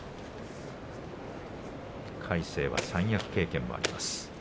魁聖は三役経験もあります。